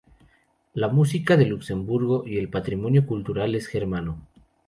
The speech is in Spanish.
La música de Luxemburgo y el patrimonio cultural es germano.